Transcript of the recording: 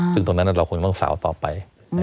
ซึ่งตรงนั้นเราคงต้องสาวต่อไป